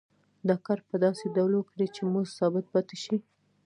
دا کار په داسې ډول وکړي چې مزد ثابت پاتې شي